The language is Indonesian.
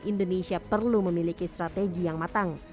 indonesia perlu memiliki strategi yang matang